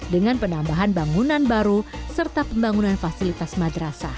dengan penambahan bangunan baru serta pembangunan fasilitas madrasah